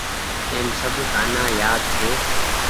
اين سب گآنآ يآد ڇي۔